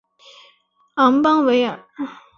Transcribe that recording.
昂邦维尔。